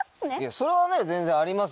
それはね全然あります